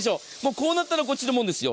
こうなったらこっちのもんですよ。